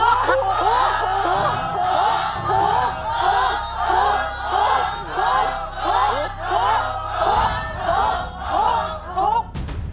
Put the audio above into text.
ถูก